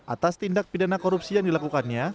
atas tindak pidana korupsi yang dilakukannya